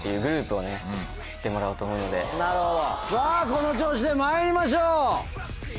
さぁこの調子でまいりましょう！